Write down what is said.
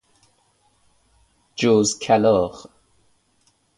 جوز کلاغ